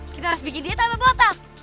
kita harus bikin dia tambah botak